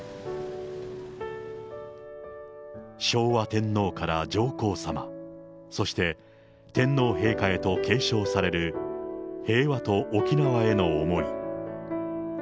昭和天皇から上皇さま、そして天皇陛下へと継承される、平和と沖縄への思い。